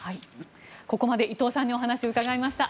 ここまで伊藤さんにお話を伺いました。